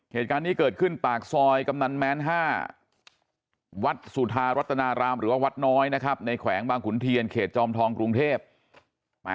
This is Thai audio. เหตุการณ์นี้เกิดขึ้นปากซอยกำนันแม้น๕วัดสุธารัตนารามหรือว่าวัดน้อยนะครับในแขวงบางขุนเทียนเขตจอมทองกรุงเทพ